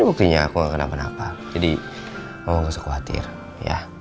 akhirnya aku gak kenapa kenapa jadi mama gak usah khawatir ya